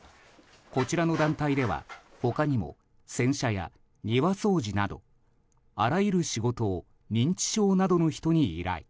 こちらの団体では他にも洗車や庭掃除などあらゆる仕事を認知症などの人に依頼。